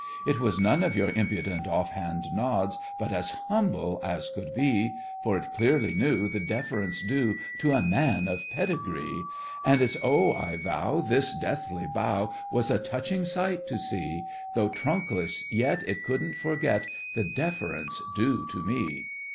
It was none of your impudent off hand nods, But as humble as could be; For it clearly knew The deference due To a man of pedigree! And it's oh, I vow, This deathly bow Was a touching sight to see; Though trunkless, yet It couldn't forget The deference due to me!